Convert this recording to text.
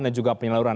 dan juga penyeluruhan